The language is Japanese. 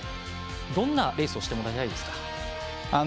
どんなレースをしてもらいたいですか？